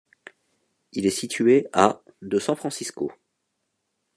Il est situé à de San Francisco.